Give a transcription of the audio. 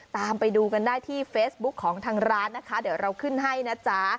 ตามไปดูกันได้ที่เฟซบุ๊คของทางร้านนะคะเดี๋ยวเราขึ้นให้นะจ๊ะ